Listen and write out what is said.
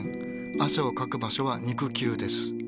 汗をかく場所は肉球です。